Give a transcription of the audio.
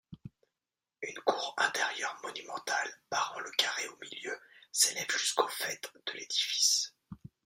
Une cour intérieure monumentale, barrant le carré au milieu, s'élève jusqu'au faîte de l'édifice.